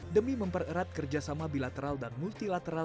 demi mempererat kerjasama bilateral dan multilateral